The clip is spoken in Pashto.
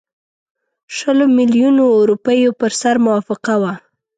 شلو میلیونو روپیو پر سر موافقه وه.